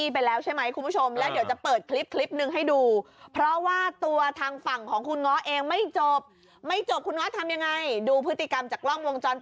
ทำให้อีกฝ่ายหนึ่งรู้สึกแบบมีอารมณ์